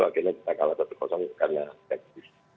akhirnya kita kalah satu kosong karena set piece